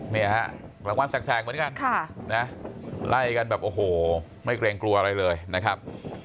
เนี่ยฮะรางวัลแสกเหมือนกันไล่กันแบบโอ้โหไม่เกรงกลัวอะไรเลยนะครับ